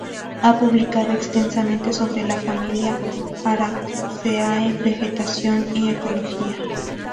Ha publicado extensamente sobre la familia Araceae, vegetación, y ecología.